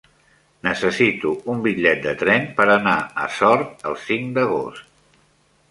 Necessito un bitllet de tren per anar a Sort el cinc d'agost.